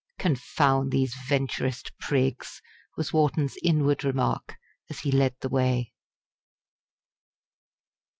"Confound these Venturist prigs!" was Wharton's inward remark as he led the way.